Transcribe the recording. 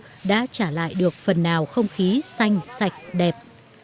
trung cư đã trả lại được phần nào không khí xanh sạch đẹp